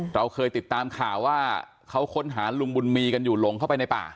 เราเคยติดตามข่าวว่าเขาค้นหาลุงบุญมีกันอยู่หลงเข้าไปในป่า